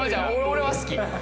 俺は好き